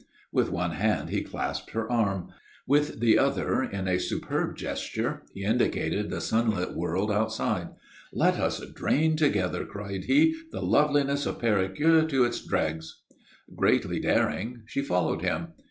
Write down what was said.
With one hand he clasped her arm; with the other, in a superb gesture, he indicated the sunlit world outside. "Let us drain together," cried he, "the loveliness of Perigueux to its dregs!" Greatly daring, she followed him.